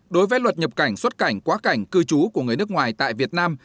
đối với luật nhập cảnh xuất cảnh quá cảnh cư trú của người nước ngoài tại việt nam